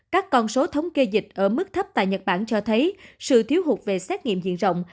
các con số thống kê dịch ở mức thấp tại nhật bản cho thấy sự thiếu hụt về xét nghiệm diện rộng